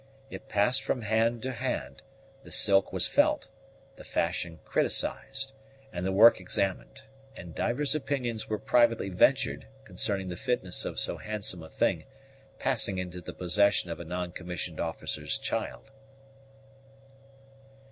It passed from hand to hand; the silk was felt, the fashion criticized, and the work examined, and divers opinions were privately ventured concerning the fitness of so handsome a thing passing into the possession of a non commissioned officer's child.